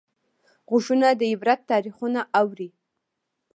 غوږونه د عبرت تاریخونه اوري